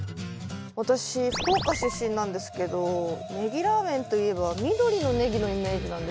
私福岡出身なんですけどネギラーメンといえば緑のネギのイメージなんですけど。